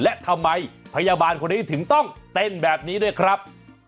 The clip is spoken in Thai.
และทำไมพยาบาลคนนี้ถึงต้องเต้นแบบนี้ด้วยครับ